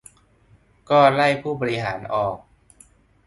ก็ไล่ผู้บริหารออก